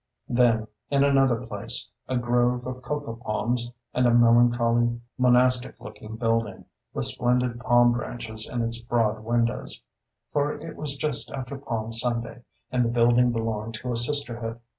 Then, in another place, a grove of cocoa palms and a melancholy, monastic looking building, with splendid palm branches in its broad windows; for it was just after Palm Sunday, and the building belonged to a Sisterhood.